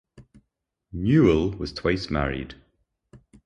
Newell was twice married.